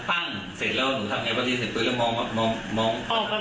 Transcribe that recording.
ไม่เห็นนะแล้วหนูเห็นตอนไหนที่หนูบอกว่าเห็นตรงไหนเดินเลย